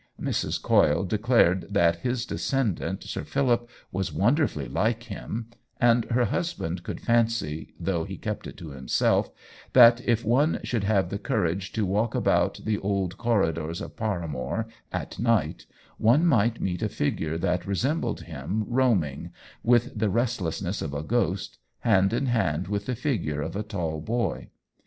Mrs. Coyle declared that his descendant Sir Philip was wonderfully like him ; and her husband could fancy, though he kept it to himself, that if one should have the courage to walk about the 196 OWEN WINGRAVE old corridors of Paramore at night one might meet a figure that resembled him roaming, with the restlessness of a ghost, hand in hand with the figure of a tall boy.